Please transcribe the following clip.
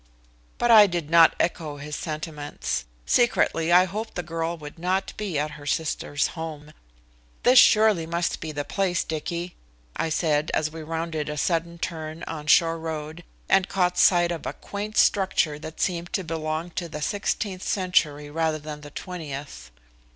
But I did not echo his sentiments. Secretly I hoped the girl would not be at her sister's home. "This surely must be the place, Dicky," I said as we rounded a sudden turn on Shore Road and caught sight of a quaint structure that seemed to belong to the 16th century rather than the 20th.